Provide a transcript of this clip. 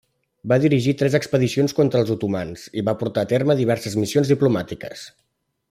Va dirigir tres expedicions contra els otomans, i va portar a terme diverses missions diplomàtiques.